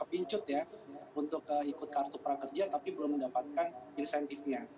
mereka yang sudah kepincut ya untuk ikut kartu prakerja tapi belum mendapatkan insentifnya